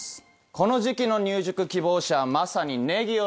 この時期の入塾希望者はまさに。